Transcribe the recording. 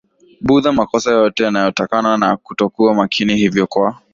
Buddha makosa yote yanatokana na kutokuwa makini Hivyo kwa